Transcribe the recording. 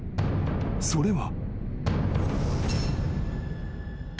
それは］